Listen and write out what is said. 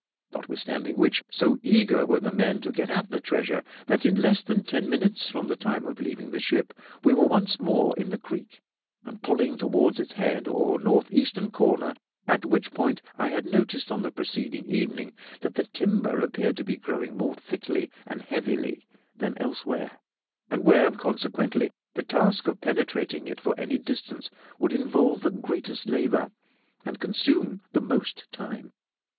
Notwithstanding which, so eager were the men to get at the treasure, that in less than ten minutes from the time of leaving the ship we were once more in the creek, and pulling toward its head or north eastern corner, at which point I had noticed on the preceding evening that the timber appeared to be growing more thickly and heavily than elsewhere, and where, consequently, the task of penetrating it for any distance would involve the greatest labour and consume the most time.